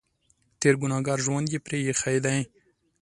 تېر ګنهګار ژوند یې پرې اېښی دی.